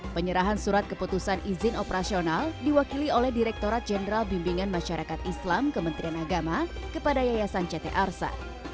penyerahan surat keputusan izin operasional diwakili oleh direkturat jenderal bimbingan masyarakat islam kementerian agama kepada yayasan ct arsa